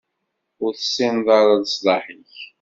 Ur tessineḍ ara leṣlaḥ-ik.